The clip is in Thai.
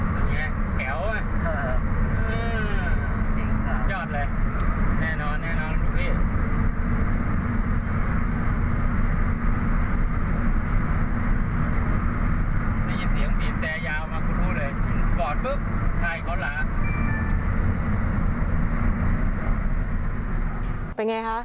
เป็นอย่างไรคะ